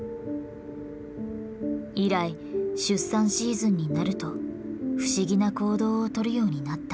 以来出産シーズンになると不思議な行動をとるようになった。